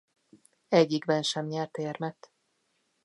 Egyikben sem nyert érmet.